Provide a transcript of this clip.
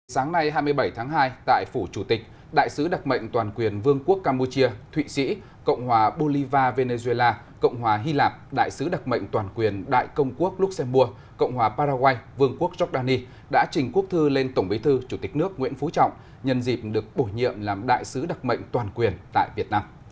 sáng nay hai mươi bảy tháng hai tại phủ chủ tịch đại sứ đặc mệnh toàn quyền vương quốc campuchia thụy sĩ cộng hòa bolivar venezuela cộng hòa hy lạp đại sứ đặc mệnh toàn quyền đại công quốc luxembourg cộng hòa paraguay vương quốc jordani đã trình quốc thư lên tổng bí thư chủ tịch nước nguyễn phú trọng nhân dịp được bổ nhiệm làm đại sứ đặc mệnh toàn quyền tại việt nam